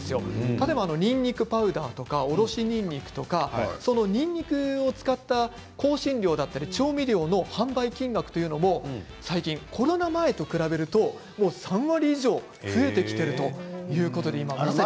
例えばにんにくパウダーとかおろしにんにくとかにんにくを使った香辛料だったり調味料の販売金額というのはコロナ前と比べると３割以上増えてきているということになっています。